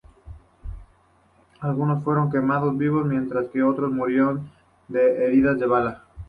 Algunos fueron quemados vivos, mientras que otros murieron de heridas de bala.